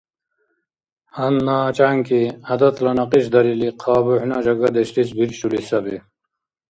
Гьанна чӏянкӏи, гӏядатла някьиш дарили, хъа бухӏна жагадешлис биршули саби.